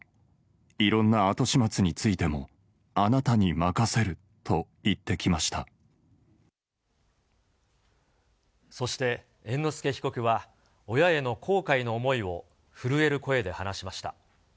いろんな後始末についても、そして猿之助被告は、親への後悔の思いを、震える声で話しました。